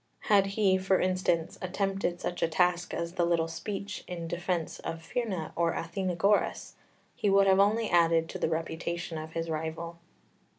Had he, for instance, attempted such a task as the little speech in defence of Phryne or Athenagoras, he would only have added to the reputation of his rival.